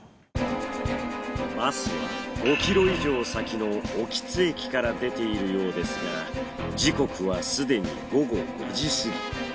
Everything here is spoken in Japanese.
バスは５ｋｍ以上先の興津駅から出ているようですが時刻はすでに午後５時過ぎ。